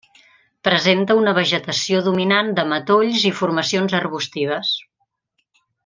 Presenta una vegetació dominant de matolls i formacions arbustives.